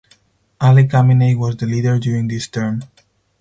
Ali Khamenei was the Leader during this term.